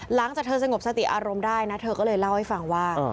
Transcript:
หลังจากเธอสงบสติอารมณ์ได้นะเธอก็เลยเล่าให้ฟังว่า